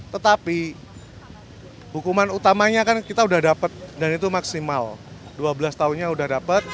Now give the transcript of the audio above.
tetapi hukuman utamanya kan kita sudah dapat dan itu maksimal dua belas tahunnya sudah dapat